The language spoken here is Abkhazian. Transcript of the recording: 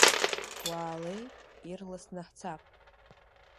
Уаалеи, ирласны ҳцап!